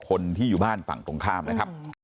กำลังรอบที่นี่นะครับตำรวจสภศรีสมเด็จ